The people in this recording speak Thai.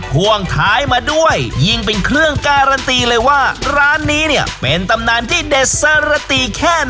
ห่วงท้ายมาด้วยยิ่งเป็นเครื่องการันตีเลยว่าร้านนี้เนี่ยเป็นตำนานที่เด็ดสรติแค่ไหน